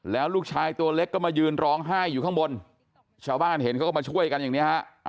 แล้วลูกชายตัวเล็กก็มายืนร้องไห้อยู่ข้างบนชาวบ้านเห็นเขาก็มาช่วยกันอย่างนี้ฮะ